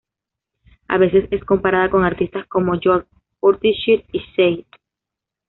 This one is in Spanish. A veces es comparada con artistas como Björk, Portishead y Sade.